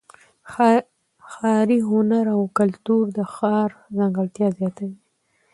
ښاري هنر او کلتور د ښار ځانګړتیا زیاتوي.